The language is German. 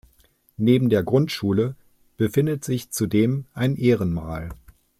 Neben der Grundschule befindet sich zudem ein Ehrenmal.